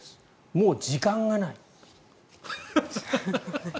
もう時間がない。